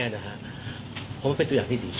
เพราะว่ามันเป็นตัวอย่างที่ดี